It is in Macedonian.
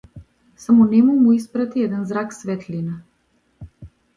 Само нему му испрати еден зрак светлина.